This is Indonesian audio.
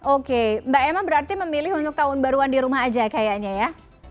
oke mbak emma berarti memilih untuk tahun baruan di rumah aja kayaknya ya